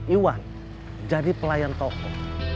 iwan jadi pelayan toko